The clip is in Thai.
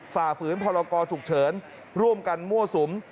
ฝ่าฝืนพรกรฉุกเฉินร่วมกันมั่วสุม